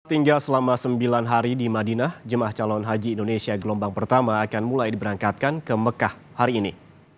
tinggal selama sembilan hari di madinah jemaah calon haji indonesia gelombang pertama akan mulai diberangkatkan ke mekah hari ini